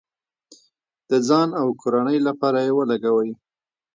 د ځان او کورنۍ لپاره یې ولګوئ.